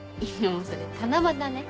それ七夕ね。